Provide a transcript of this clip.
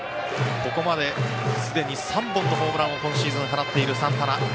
ここまですでに３本のホームランを今シーズン放っているサンタナ。